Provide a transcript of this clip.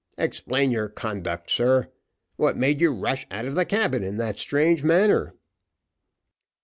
Explain your conduct, sir. What made you rush out of the cabin in that strange manner?"